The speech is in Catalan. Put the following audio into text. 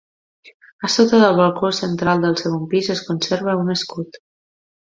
A sota del balcó central del segon pis es conserva un escut.